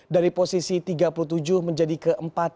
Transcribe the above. dari posisi tiga puluh tujuh menjadi ke empat puluh